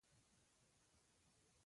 وزیر عبدالستار مراد خبرې وکړې.